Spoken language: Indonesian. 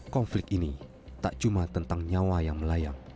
konflik ini tak cuma tentang nyawa yang melayang